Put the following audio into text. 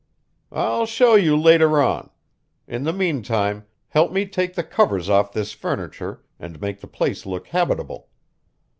"I'll show you later on. In the mean time help me take the covers off this furniture and make the place look habitable.